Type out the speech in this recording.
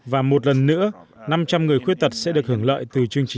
và một lần nữa năm trăm linh người khuyết tật sẽ được hưởng lợi